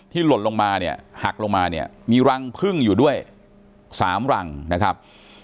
หล่นลงมาเนี่ยหักลงมาเนี่ยมีรังพึ่งอยู่ด้วย๓รังนะครับ